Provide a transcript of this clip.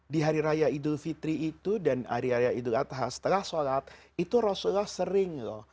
di hari raya idul fitri itu dan hari raya idul adha setelah sholat itu rasulullah sering loh